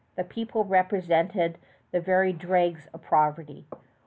The people represented the very dregs of poverty.